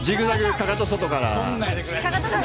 かかとが外から。